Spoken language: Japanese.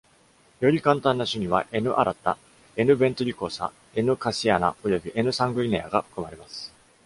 より簡単な種には、“N.alata”，“N.ventricosa”，“ N。khasiana” および“ N. sanguinea” が含まれます。